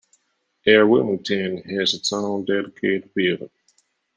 Air Wilmington has its own dedicated building.